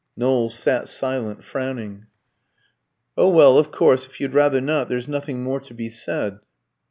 Knowles sat silent, frowning. "Oh, well, of course, if you'd rather not, there's nothing more to be said."